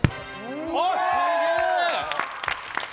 すげえ！